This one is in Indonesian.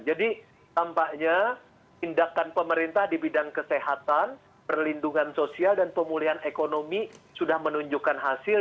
jadi tampaknya tindakan pemerintah di bidang kesehatan perlindungan sosial dan pemulihan ekonomi sudah menunjukkan hasil